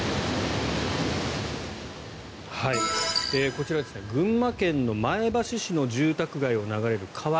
こちら、群馬県の前橋市の住宅街を流れる川。